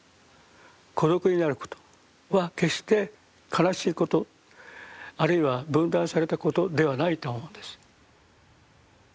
孤独になることは決して悲しいことあるいは分断されたことではないと思うんです。